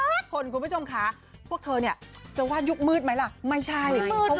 คนคุณผู้ชมค่ะพวกเธอเนี่ยจะว่ายุคมืดไหมล่ะไม่ใช่